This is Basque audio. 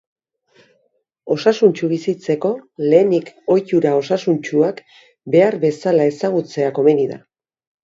Osasuntsu bizitzeko, lehenik ohitura osasuntsuak behar bezala ezagutzea komeni da.